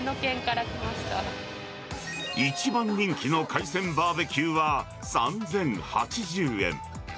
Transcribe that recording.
一番人気の海鮮バーベキューは３０８０円。